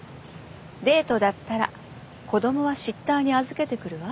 デートだったら子どもはシッターに預けてくるわ。